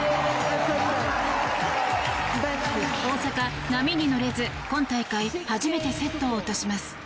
大坂、波に乗れず今大会初めてセットを落とします。